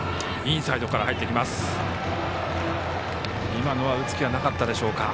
今の打つ気はなかったでしょうか。